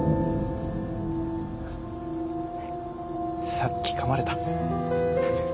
さっきかまれた。